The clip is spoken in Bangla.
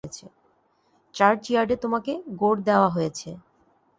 চার্চ ইয়ার্ডে তোমাকে গোর দেয়া হয়েছে।